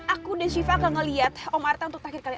aku dan shiva gak ngeliat om artha untuk terakhir kali